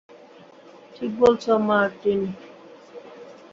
ঠিক বলেছো, মার্টিন।